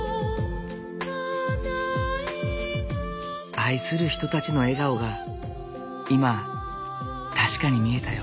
愛する人たちの笑顔が今確かに見えたよ。